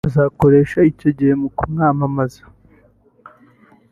azakoresha icyo gihe mu kumwamamaza